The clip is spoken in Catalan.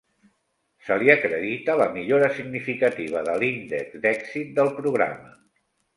Se li acredita la millora significativa de l'índex d'èxit del programa.